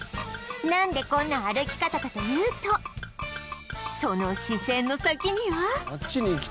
なんでこんな歩き方かというとその視線の先には